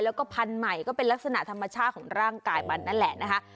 แล้วก็พันธุ์ใหม่ก็เป็นลักษณะธรรมชาติของร่างกายมันนั่นแหละนะคะ